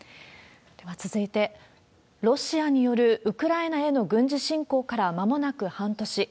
では続いて、ロシアによるウクライナへの軍事侵攻からまもなく半年。